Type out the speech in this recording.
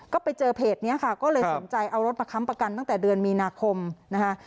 ก็ไปเจอเพจนี้ค่ะก็เลยสนใจเอารถมาค้ำประกันตั้งแต่เดือนมีนาคมนะคะ